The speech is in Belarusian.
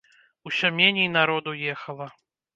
Усё меней народу ехала.